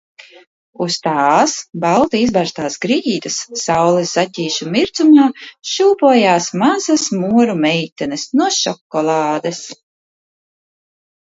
Uz tās, balti izberztās grīdas, saules zaķīšu mirdzumā, šūpojās mazas moru meitenes no šokolādes.